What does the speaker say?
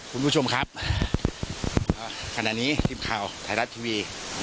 คุณผู้ชมครับขณะนี้ทีมข่าวไทยรัฐทีวี